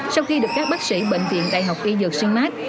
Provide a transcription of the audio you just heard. sau khi được các bác sĩ bệnh viện đại học y dược sinh mart